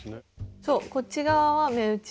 そうこっち側は目打ち。